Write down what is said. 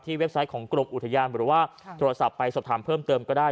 เว็บไซต์ของกรมอุทยานหรือว่าโทรศัพท์ไปสอบถามเพิ่มเติมก็ได้